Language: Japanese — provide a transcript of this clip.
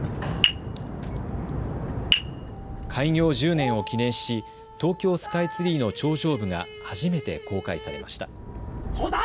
開業１０年を記念し東京スカイツリーの頂上部が初めて公開されました。